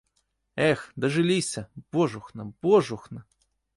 Эх, дажыліся, божухна, божухна!